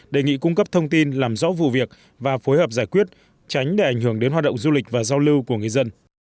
đề nghị cung cấp thông tin làm rõ vụ việc và phối hợp giải quyết tránh để ảnh hưởng đến hoạt động du lịch và giao lưu của người dân